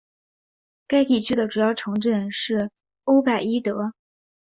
该地区的主要城镇是欧拜伊德。